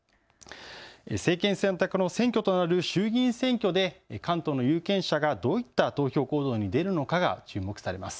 政権選択の選挙となる衆議院選挙で関東の有権者がどういった投票行動に出るのかが注目されます。